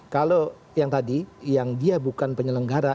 kalau yang tadi yang dia bukan penyelenggara